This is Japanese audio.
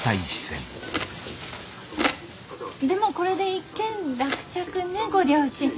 でもこれで一件落着ねご両親。